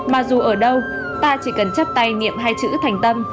mà dù ở đâu ta chỉ cần chấp tay niệm hai chữ thành tâm